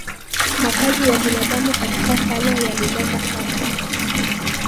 Makazi ya binadamu katika Tsavo yalilenga sana